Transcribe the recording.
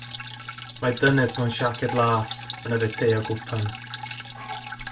Mae dynes mewn siaced las yn yfed te o gwpan.